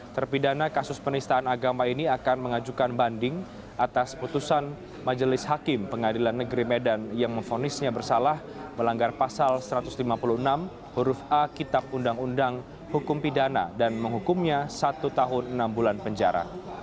terpidana kasus penistaan agama ini akan mengajukan banding atas putusan majelis hakim pengadilan negeri medan yang memfonisnya bersalah melanggar pasal satu ratus lima puluh enam huruf a kitab undang undang hukum pidana dan menghukumnya satu tahun enam bulan penjara